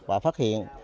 và phát hiện